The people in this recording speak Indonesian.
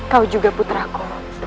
kau juga puteraku